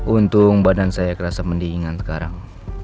untung badan saya kerasa pendingan sekarang